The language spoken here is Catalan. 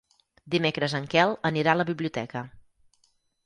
Dimecres en Quel anirà a la biblioteca.